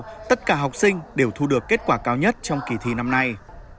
với mục tiêu tất cả học sinh đều thu được kết quả cao nhất trong kỳ thi năm nay